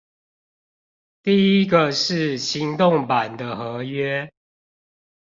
第一個是行動版的合約